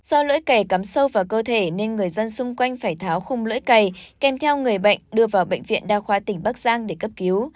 do lưỡi cày cắm sâu vào cơ thể nên người dân xung quanh phải tháo khung lưỡi cày kèm theo người bệnh đưa vào bệnh viện đa khoa tỉnh bắc giang để cấp cứu